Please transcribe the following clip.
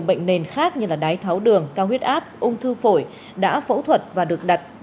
bệnh nền khác như đái tháo đường cao huyết áp ung thư phổi đã phẫu thuật và được đặt